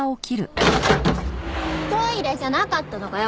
トイレじゃなかったのかよ